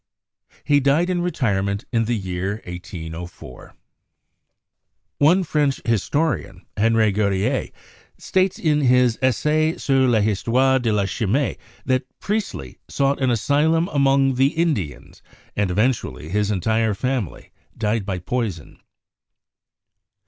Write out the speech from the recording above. He died in retirement in the n6 CHEMISTRY year 1804. One French historian, Henri Gautier, states in his "Essai sur l'histoire de la Chimie" that Priestley "sought an asylum among the Indians, and eventually he and his entire family died by poison